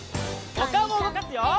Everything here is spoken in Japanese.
おかおもうごかすよ！